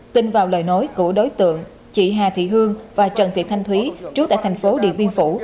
tin vào lời nói của đối tượng chị hà thị hương và trần thị thanh thúy trú tại thành phố điện biên phủ